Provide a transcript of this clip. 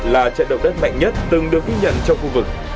là trận động đất mạnh nhất từng được ghi nhận trong khu vực